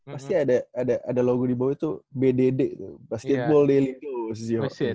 pasti ada logo di bawah itu bdd basketball daily news